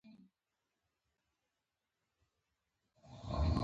د مډرن تفسیر دوه سرې توره ده.